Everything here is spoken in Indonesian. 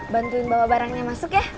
bantuin bawa barangnya masuk ya